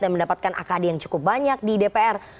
yang mendapatkan akd yang cukup banyak di dpr